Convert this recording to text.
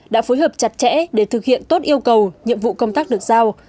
đã phối hợp chặt chẽ để thực hiện tốt yêu cầu nhiệm vụ công tác được giao